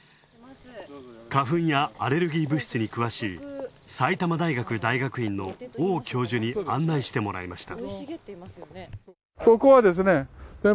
花粉やアレルギー物質に詳しい、埼玉大学大学院の王教授に案内してもらいました。